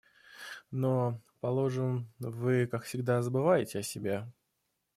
Но, положим, вы, как всегда, забываете о себе.